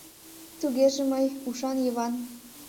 — Тугеже, мый — ушан Йыван.